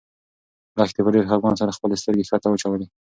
لښتې په ډېر خپګان سره خپلې سترګې ښکته واچولې.